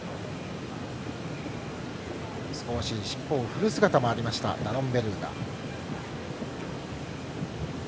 少し、尻尾を振る姿がありましたダノンベルーガ。